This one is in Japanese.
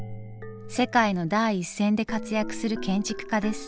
世界の第一線で活躍する建築家です。